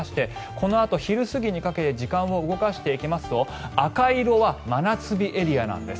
このあと昼過ぎにかけて時間を動かしていきますと赤い色は真夏日エリアなんです。